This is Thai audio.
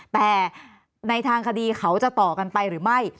แต่ในทางคดีเขาจะต่อกันไปหรือไม่